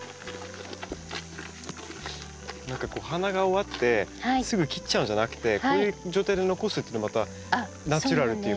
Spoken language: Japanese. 何かこう花が終わってすぐ切っちゃうんじゃなくてこういう状態で残すっていうのもまたナチュラルっていうかいいですね。